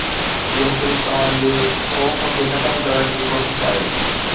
اهو صرف توهان جي خوف کي ختم ڪرڻ جي ڪوشش آهي.